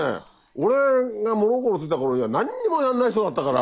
俺が物心ついた頃には何にもやらない人だったから。